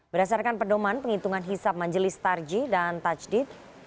berdasarkan pedoman penghitungan hisap majelis tarji dan tajdid